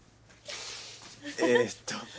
えっと